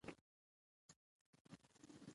روحانیونو د کفر فتواوې صادرې کړې.